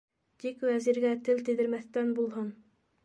Тик Вәзиргә тел тейҙермәҫтән булһын.